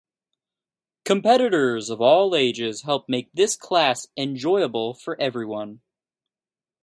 Competitors of all ages help make this class enjoyable for everyone.